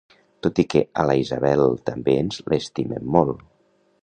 Tot i que a la Isabel també ens l'estimem molt